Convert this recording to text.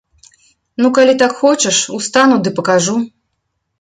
Ну, калі так хочаш, устану ды пакажу.